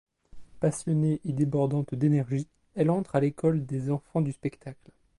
Passionnée et débordante d’énergie, elle entre à l’École des enfants du spectacle.